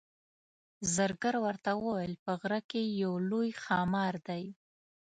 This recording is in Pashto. زرګر ورته وویل په غره کې یو لوی ښامار دی.